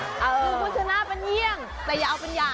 นึกว่าเธอน่าเป็นเยี่ยงแต่อย่าเอาเป็นอย่าง